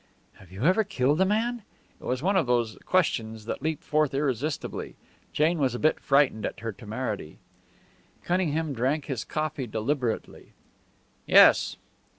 "Have you ever killed a man?" It was one of those questions that leap forth irresistibly. Jane was a bit frightened at her temerity. Cunningham drank his coffee deliberately. "Yes."